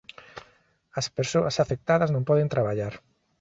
As persoas afectadas non poden traballar